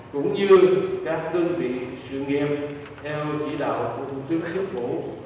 cũng như các tương vị sự nghiệp theo chỉ đạo của thủ tướng chính phủ